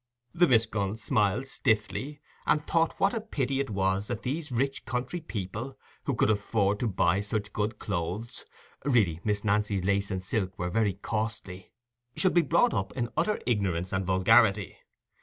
The Miss Gunns smiled stiffly, and thought what a pity it was that these rich country people, who could afford to buy such good clothes (really Miss Nancy's lace and silk were very costly), should be brought up in utter ignorance and vulgarity.